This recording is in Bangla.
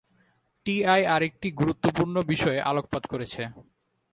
টিআই আরেকটি গুরুত্বপূর্ণ বিষয়ে আলোকপাত করেছে।